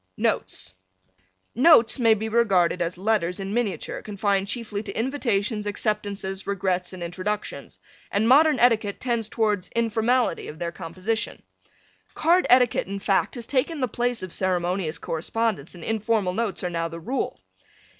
NOTES Notes may be regarded as letters in miniature confined chiefly to invitations, acceptances, regrets and introductions, and modern etiquette tends towards informality in their composition. Card etiquette, in fact, has taken the place of ceremonious correspondence and informal notes are now the rule.